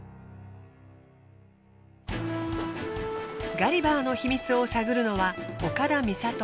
ガリバーの秘密を探るのは岡田美里。